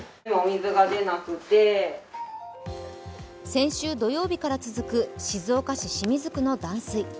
先週土曜日から続く静岡市清水区の断水。